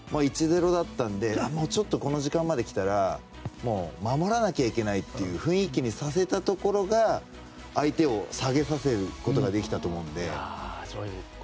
１−０だったのでちょっとこの時間まで来たら守らなきゃいけないという雰囲気にさせたところが相手を下げさせることができたと思うので。